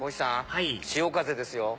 はい潮風ですよ。